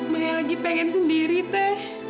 saya lagi pengen sendiri ma